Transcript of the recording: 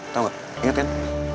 tau gak ingat kan